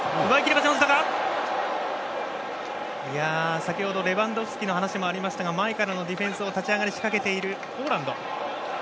先ほどレバンドフスキの話もありましたが前からのディフェンスを立ち上がり仕掛けているポーランド。